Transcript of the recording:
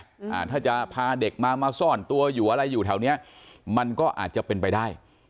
อ่าถ้าจะพาเด็กมามาซ่อนตัวอยู่อะไรอยู่แถวเนี้ยมันก็อาจจะเป็นไปได้